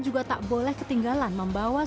juga tak boleh ketinggalan membawa